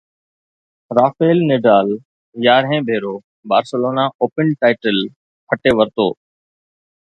Rafale Nadal يارهين ڀيرو Barcelona Open title کٽي ورتو